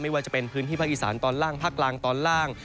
ว่าจะเป็นพื้นที่ภาคอีสานตอนล่างภาคกลางตอนล่าง